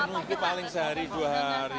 nunggu paling sehari dua hari